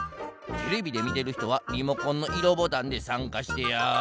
テレビでみてる人はリモコンの色ボタンでさんかしてや。